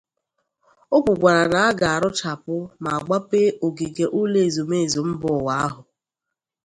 o kwukwara na a ga-arụchapụ ma gbapee ogige ụlọ ezumeezu mba ụwa ahụ